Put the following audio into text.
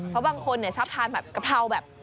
เพราะบางคนชอบทานแบบกะเพราแบบ